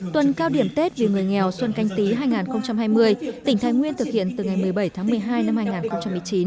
tuần cao điểm tết vì người nghèo xuân canh tí hai nghìn hai mươi tỉnh thái nguyên thực hiện từ ngày một mươi bảy tháng một mươi hai năm hai nghìn một mươi chín